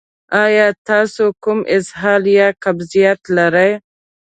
ایا تاسو کوم اسهال یا قبضیت لرئ؟